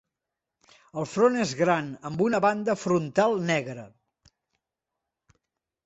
El front és gran, amb una banda frontal negra.